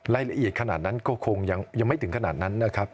รายละเอียดขนาดนั้นก็คงยังไม่ถึงขนาดนั้นนะครับ